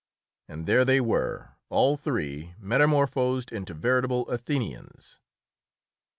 And there they were, all three, metamorphosed into veritable Athenians.